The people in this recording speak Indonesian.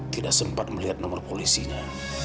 tidak sempat melihat nomor polisinya